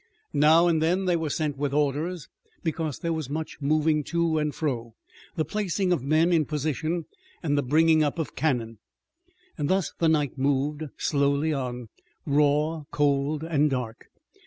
Now and then they were sent with orders, because there was much moving to and fro, the placing of men in position and the bringing up of cannon. Thus the night moved slowly on, raw, cold and dark.